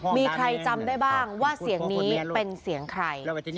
มีใครจำได้บ้างว่าเสียงนี้เป็นเสียงใคร